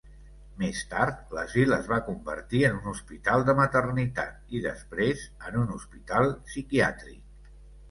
Més tard, l'asil es va convertir en un hospital de maternitat i després en un hospital psiquiàtric.